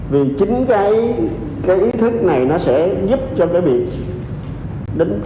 vì chính cái ý thức này nó sẽ giúp cho cái bị